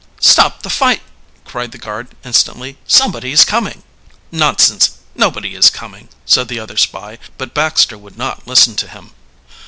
"Stop the fight!" cried the guard instantly. "Somebody is coming!" "Nonsense nobody is coming!" said the other spy, but Baxter would not listen to him.